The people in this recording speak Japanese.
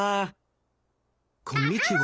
こんにちは。